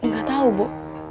gak tau bu